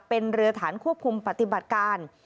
เป็นเรือฐานควบคุมปฏิบัติการ